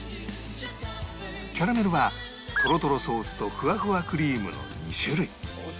キャラメルはトロトロソースとフワフワクリームの２種類